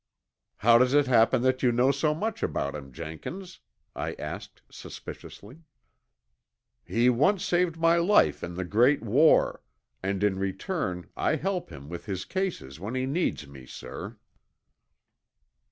"How does it happen that you know so much about him, Jenkins?" I asked suspiciously. "He once saved my life in the Great War, and in return I help him with his cases when he needs me, sir."